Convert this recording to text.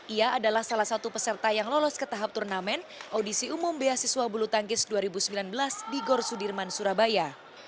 ia adalah salah satu peserta yang lolos ke tahap turnamen audisi umum beasiswa bulu tangkis dua ribu sembilan belas di gor sudirman surabaya